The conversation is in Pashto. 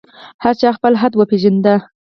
هر چا خپل حد وپېژاند.